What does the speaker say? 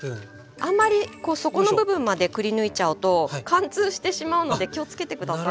あんまり底の部分までくりぬいちゃうと貫通してしまうので気をつけて下さいね。